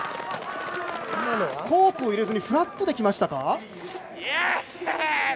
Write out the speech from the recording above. コークを入れずフラットで来ましたか。